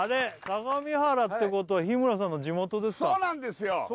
相模原ってことは日村さんの地元ですかそうなんですよ